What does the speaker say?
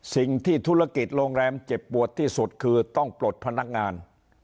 สิ่งที่ธุรกิจโรงแรมเจ็บปวดที่สุดคือต้องปลดพนักงาน